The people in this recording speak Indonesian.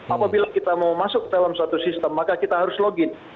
apabila kita mau masuk dalam satu sistem maka kita harus login